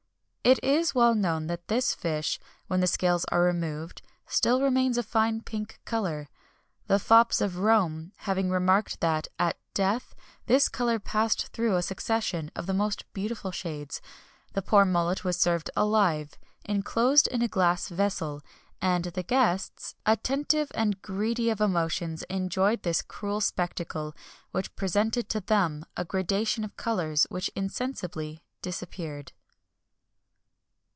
It is well known that this fish, when the scales are removed, still remains of a fine pink colour. The fops of Rome having remarked that, at the death, this colour passed through a succession of the most beautiful shades, the poor mullet was served alive, inclosed in a glass vessel; and the guests, attentive and greedy of emotions, enjoyed this cruel spectacle, which presented to them a gradation of colours, which insensibly disappeared.